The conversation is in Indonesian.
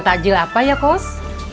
jualan tajil apa ya kos